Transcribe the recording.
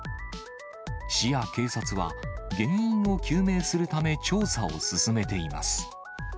市や警察は、原因を究明するため、調査を進めています。